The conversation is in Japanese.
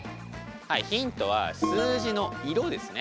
ヒントは数字の色ですね。